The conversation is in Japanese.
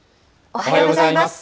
おはようございます。